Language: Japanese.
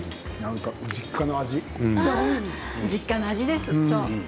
そう、実家の味です。